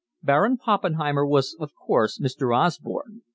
'Baron Poppenheimer' was, of course, Mr. Osborne.